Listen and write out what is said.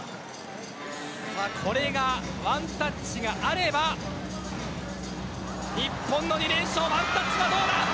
これでワンタッチがあれば日本の２連勝、ワンタッチはどうか。